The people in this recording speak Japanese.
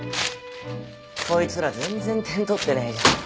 こいつら全然点取ってねえじゃん